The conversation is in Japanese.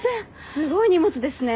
すごい荷物ですね。